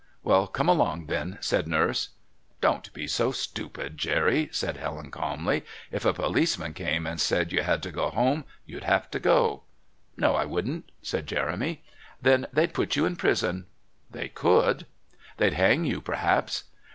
"Well, come along, then," said Nurse. "Don't be so stupid, Jerry," said Helen calmly. "If a policeman came and said you had to go home you'd have to go." "No I wouldn't," said Jeremy. "Then they'd put you in prison." "They could." "They'd hang you, perhaps."